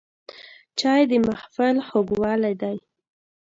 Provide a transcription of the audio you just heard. چای د محفل خوږوالی دی